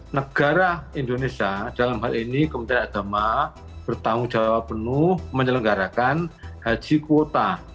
negara indonesia dalam hal ini kementerian agama bertanggung jawab penuh menyelenggarakan haji kuota